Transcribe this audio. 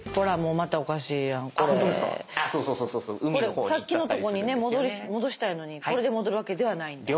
これさっきのとこに戻したいのにこれで戻るわけではないんだ。